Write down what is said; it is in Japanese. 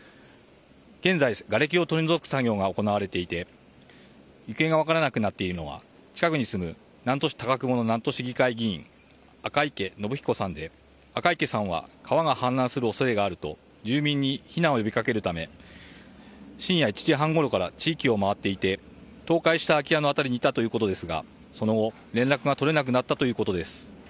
現在、がれきを取り除く作業が行われていて行方が分からなくなっているのは近くに住む、南砺市高窪の南砺市議会議員赤池伸彦さんで赤池さんは川が氾濫する恐れがあると住民に避難を呼び掛けるため深夜１時半ごろから地域を回っていて倒壊した空き家の辺りにいたということですがその後連絡が取れなくなったということです。